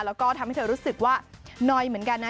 แล้วก็ทำให้เธอรู้สึกว่าน้อยเหมือนกันนะ